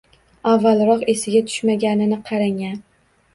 Avvalroq esiga tushmaganini qarang-a